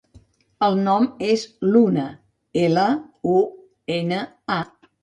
El nom és Luna: ela, u, ena, a.